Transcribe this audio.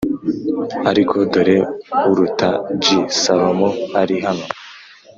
Ariko dore uruta g Salomo ari hano